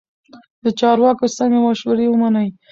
د چارواکو سمې مشورې ومنئ.